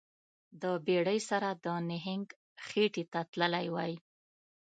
د بیړۍ سره د نهنګ خیټې ته تللی وای